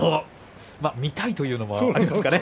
見たいということもありますね。